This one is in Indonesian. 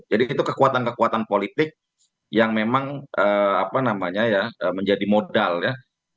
jadi itu kekuatan kekuatan politik yang memang menjadi modal ya